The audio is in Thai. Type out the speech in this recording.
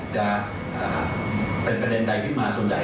จะเป็นประเด็นใดขึ้นมาส่วนใหญ่